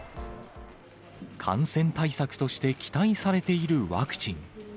感染対策として期待されているワクチン。